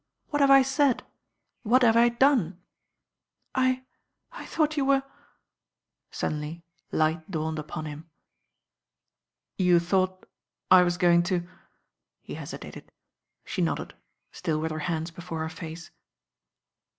"What have I said; what have I done?" "I — I thought you were ^" Suddenly light dawned upon him. "You thought I was going to ^" he hesitated. She nodded, still with her hands before her face.